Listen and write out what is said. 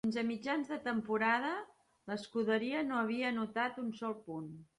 Fins a mitjans de la temporada, l'escuderia no havia anotat un sol punt.